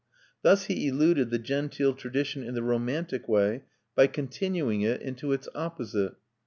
Thus he eluded the genteel tradition in the romantic way, by continuing it into its opposite.